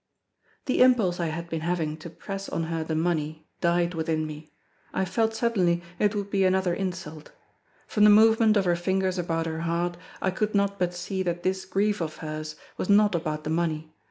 The impulse I had been having to press on her the money, died within me; I felt suddenly it would be another insult. From the movement of her fingers about her heart I could not but see that this grief of hers was not about the money.